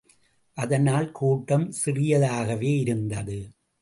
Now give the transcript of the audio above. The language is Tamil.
அதனால் கூட்டம் சிறியதாகவே இருந்தது.